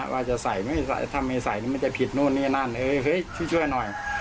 ว่าจะใส่ทำไมใส่มันจะผิดนู่นนี่นั่นช่วยหน่อย